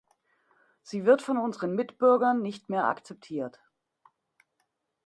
Sie wird von unseren Mitbürgern nicht mehr akzeptiert.